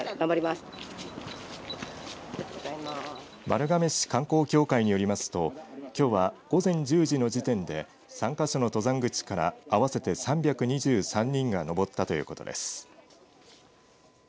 丸亀市観光協会によりますときょうは午前１０時の時点で３か所の登山口から合わせて３２３人が登ったということです。